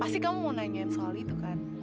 pasti kamu mau nanyain soal itu kan